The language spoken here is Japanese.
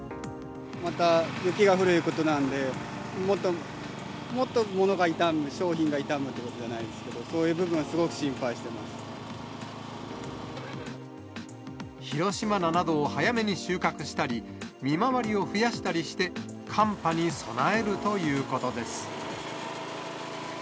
また雪が降るいうことなんで、もっとものが傷む、傷んで、商品が傷むってことじゃないですけど、そういう部分はすごく心配広島菜などを早めに収穫したり、見回りを増やしたりして、寒波に備えるということです。